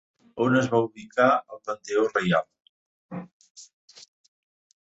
On es va ubicar el panteó reial?